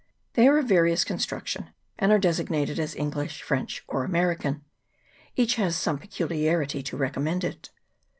They are of various construction, and are designated as English, French, or American : each has some peculiarity to recommend it.